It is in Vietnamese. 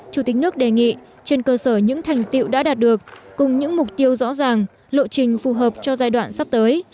chủ tịch nước đề nghị trên cơ sở những thành tiệu đã đạt được cùng những mục tiêu rõ ràng lộ trình phù hợp cho giai đoạn sắp tới